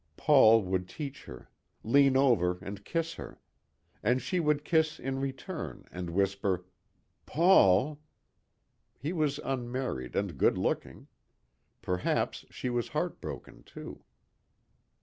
Paul would teach her. Lean over and kiss her. And she would kiss in return and whisper, "Paul...." He was unmarried and good looking. Perhaps she was heartbroken, too.